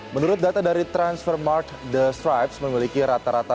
menurut data dari transfer mark the stripes memiliki rata rata